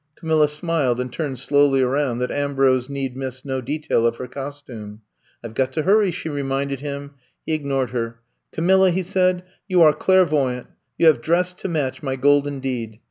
Camilla smiled and turned slowly around that Am brose need miss no detail of her costume. I Ve got to hurry, she reminded him. He ignored her. Camilla," he said, you are clairvoy ant. You have dressed to match my golden deed.